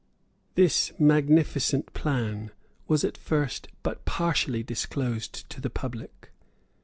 This magnificent plan was at first but partially disclosed to the public.